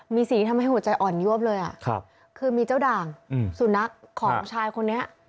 มีสีที่ทำให้หัวใจอ่อนยวบเลยคือมีเจ้าด่างสุนัขของชายคนนี้